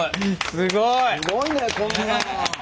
すごいねこんな。